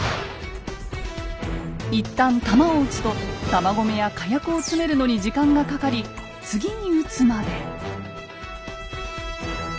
一旦弾を撃つと弾込めや火薬を詰めるのに時間がかかり次に撃つまで。